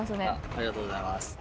ありがとうございます。